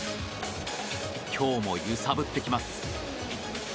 今日も揺さぶってきます。